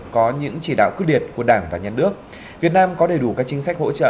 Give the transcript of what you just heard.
có những chỉ đạo cứu điệt của đảng và nhân nước việt nam có đầy đủ các chính sách hỗ trợ